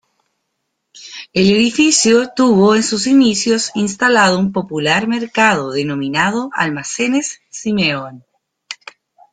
El edificio tuvo en sus inicios instalado un popular mercado denominado "Almacenes Simeón".